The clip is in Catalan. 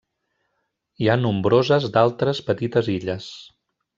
Hi ha nombroses d'altres petites illes.